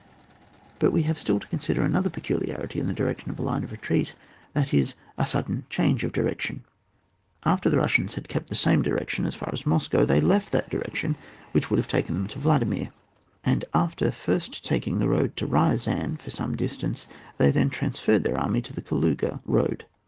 But we have still to consider another peculiarity in the direction of such a line of retreat, that is, a sudden change of direc tion. After the Bussians had kept the same direction as far as Moscow they left that direction which would have taken them to Wladimir, and after first taking the road to liiazan for some distance, they then transferred their army to the Kaluga road.